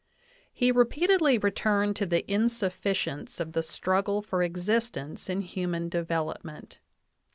He repeatedly returned to the insufficience of the struggle for existence in human development.